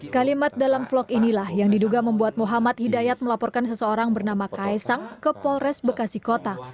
kalimat dalam vlog inilah yang diduga membuat muhammad hidayat melaporkan seseorang bernama kaisang ke polres bekasi kota